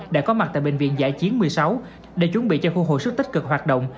đã có mặt tại bệnh viện giã chiến một mươi sáu để chuẩn bị cho khu hồi sức tích cực hoạt động